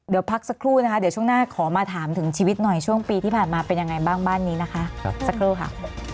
เดี๋ยวพักสักครู่นะคะเดี๋ยวช่วงหน้าขอมาถามถึงชีวิตหน่อยช่วงปีที่ผ่านมาเป็นยังไงบ้างบ้านนี้นะคะสักครู่ค่ะ